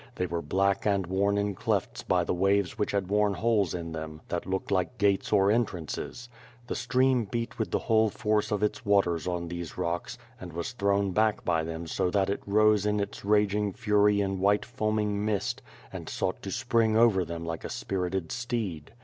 They were black and worn in clefts by the waves which had worn holes in thorn that looked like gates or entmnoes. The stream Wat with the whole force of its waters on these rooks and was thrown back by them so that it rose in its raging fury in white foaming mist, and sought to spring over them like a spiritoii steed.